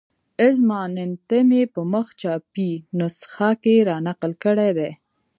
اظماننتم یې په مخ چاپي نسخه کې را نقل کړی دی.